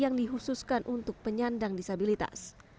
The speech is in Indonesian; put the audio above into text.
yang dihususkan untuk penyandang disabilitas